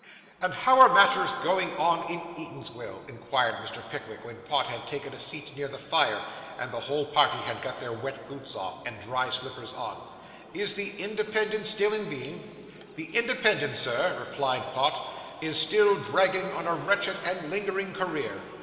'And how are matters going on in Eatanswill?' inquired Mr. Pickwick, when Pott had taken a seat near the fire, and the whole party had got their wet boots off, and dry slippers on. 'Is the Independent still in being?' 'The Independent, sir,' replied Pott, 'is still dragging on a wretched and lingering career.